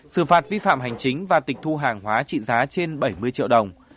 xử phạt vi phạm hành chính và tịch thu hàng hóa trị giá trên bảy mươi triệu đồng